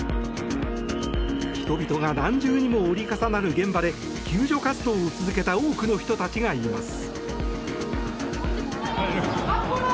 人々が何重にも折り重なる現場で救助活動を続けた多くの人たちがいます。